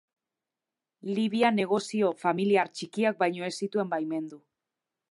Libian negozio familiar txikiak baino ez zituen baimendu.